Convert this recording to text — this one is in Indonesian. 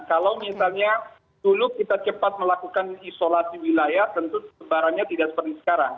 kalau misalnya dulu kita cepat melakukan isolasi wilayah tentu sebarannya tidak seperti sekarang